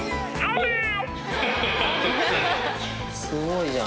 すごい。